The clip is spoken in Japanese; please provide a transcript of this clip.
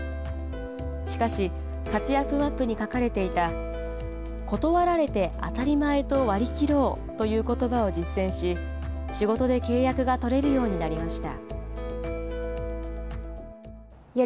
しかし、活躍マップに書かれていた、断られて当たり前と割り切ろうということばを実践し、仕事で契約が取れるようになりました。